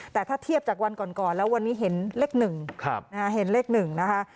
แต่ถ้าเทียบจากวันก่อนแล้ววันนี้เห็นเลข๑เห็นเลข๑นะคะ